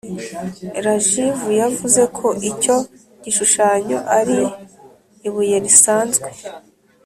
Rajiv yavuze ko icyo gishushanyo ari ibuye risanzwe